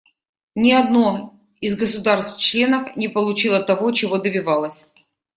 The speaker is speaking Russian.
Ни одно из государств-членов не получило того, чего добивалось.